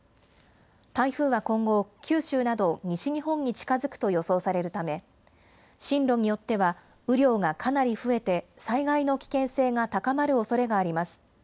台風は今後、九州など西日本に近づくと予想されるため、進路によっては雨量がかなり増えて、災害の危険性が高まるおそれがあります。